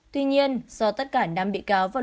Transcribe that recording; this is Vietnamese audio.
tuy nhiên do tất cả năm bị cáo và luật